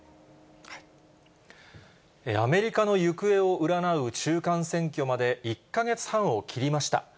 アメリカの行方を占う中間選挙まで１か月半を切りました。